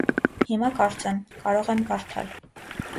- Հիմա, կարծեմ, կարող եմ կարդալ: